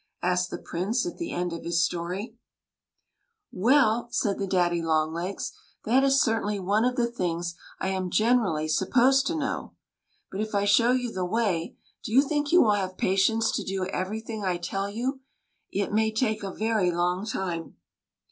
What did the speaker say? asked the Prince at the end of his story. THE LADY DAFFODILIA 155 " Well,'* said the daddy longlegs, " that is certainly one of the things I am generally sup posed to know ; but if I show you the way, do you think you will have patience to do every thing I tell you ? It may take a very long time."